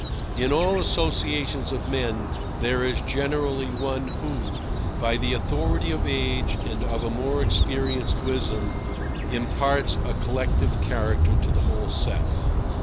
In all associations of men there is generally one who, by the authority of age and of a more experienced wisdom, imparts a collective character to the whole set.